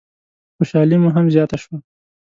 خوشحالي مو هم زیاته شوه.